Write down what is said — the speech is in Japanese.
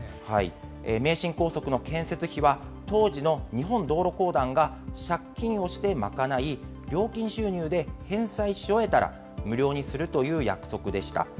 名神高速の建設費は当時の日本道路公団が借金をして賄い、料金収入で返済し終えたら無料にするという約束でした。